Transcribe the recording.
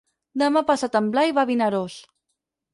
Demà passat en Blai va a Vinaròs.